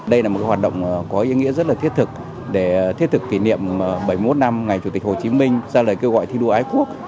đây là một hoạt động có ý nghĩa rất là thiết thực để thiết thực kỷ niệm bảy mươi một năm ngày chủ tịch hồ chí minh ra lời kêu gọi thi đua ái quốc